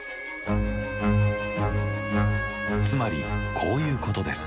つまりこういうことです。